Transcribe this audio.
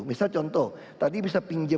misal contoh tadi bisa pinjam